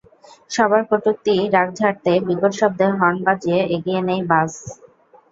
সবার কটূক্তি রাগ ঝাড়তে বিকট শব্দে হর্ন বাজিয়ে এগিয়ে নেয় বাস।